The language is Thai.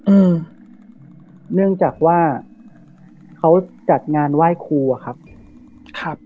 อืมเนื่องจากว่าเขาจัดงานไหว้ครูอ่ะครับครับ